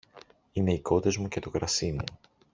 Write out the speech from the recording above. Είναι οι κότες μου και το κρασί μου